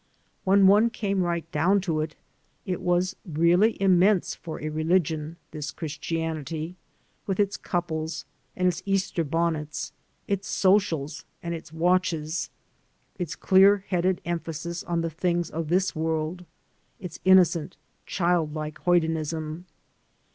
When one came right down to it, it was really immense for a religion — ^this Christianity, with its couples and its Easter bonnets, its socials and its watches, its clear headed emphasis on the things of this world, its innocent, child like hoydenism.